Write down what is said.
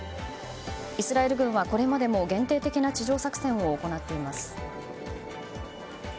イスラエル軍はこれまでも限定的な地上作戦を行っています。